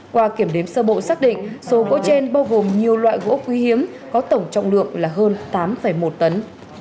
qua kiểm đếm sơ bộ xác định số gỗ trên bao gồm nhiều loại gỗ quý hiếm có tổng trọng lượng là hơn tám một tấn